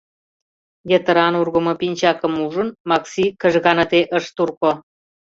Йытыран ургымо пинчакым ужын, Макси кыжганыде ыш турко.